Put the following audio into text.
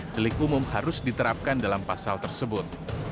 delik umum harus diterapkan dalam pasal tersebut